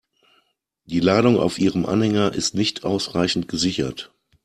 Die Ladung auf Ihrem Anhänger ist nicht ausreichend gesichert.